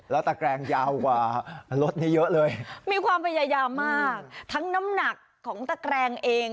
แล้วตะแกรงยาวกว่ารถนี้เยอะเลยมีความพยายามมากทั้งน้ำหนักของตะแกรงเอง